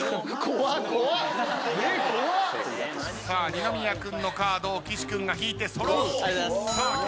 さあ二宮君のカードを岸君が引いて揃う。